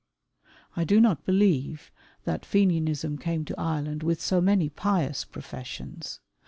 I do not believe that Fenianism came to Ireland with so many pious professions.